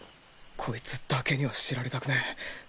コイツだけには知られたくねえ。